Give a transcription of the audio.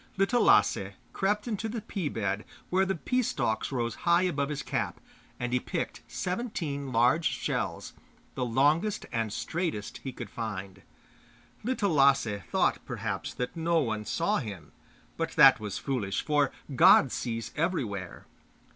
Little Lasse crept into the pea bed where the pea stalks rose high above his cap, and he picked seventeen large shells, the longest and straightest he could find. Little Lasse thought, perhaps, that no one saw him; but that was foolish, for God sees everywhere.